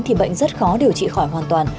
thì bệnh rất khó điều trị khỏi hoàn toàn